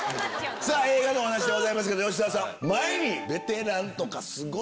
映画のお話でございますけど吉沢さん。